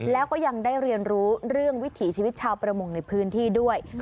แล้วก็ยังได้เรียนรู้เรื่องวิถีชีวิตชาวประมงในพื้นที่ด้วย